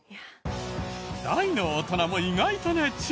大の大人も意外と熱中！